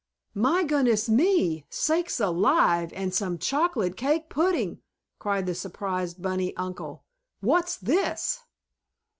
"My goodness me, sakes alive and some chocolate cake pudding!" cried the surprised bunny uncle. "What's this?"